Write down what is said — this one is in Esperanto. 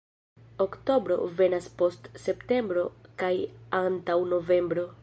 Oktobro venas post septembro kaj antaŭ novembro.